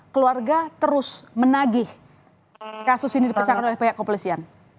keluarga terus menagih kasus ini dipecahkan oleh pihak kepolisian